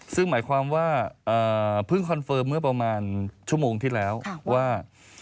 ซึ่งหมายความว่าเพิ่งคอนเฟิร์มเมื่อประมาณชั่วโมงที่แล้วว่า